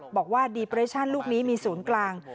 บอกว่าดีเปรชั่นลูกนี้มีศูนย์กลาง